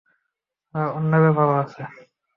Sir, অন্য ব্যাপারও আছে।